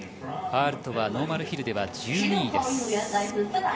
アールトはノーマルヒルでは１２位です。